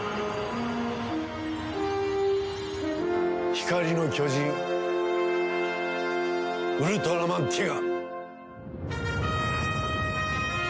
光の巨人ウルトラマンティガ！